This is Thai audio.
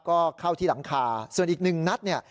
ก็เข้าที่หลังคาส่วนอีกหนึ่งนัดเนี่ย